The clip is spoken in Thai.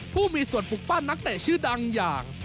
ผู้มีส่วนปลูกปั้นนักเตะชื่อดังอย่าง